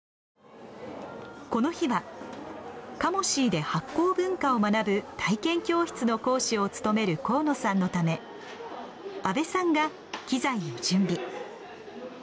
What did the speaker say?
この日はカモシーで発酵文化を学ぶ体験教室の講師を務める河野さんのため阿部さんが機材を準備。